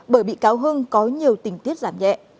bởi bị cáo hưng có nhiều tình tiết giảm nhẹ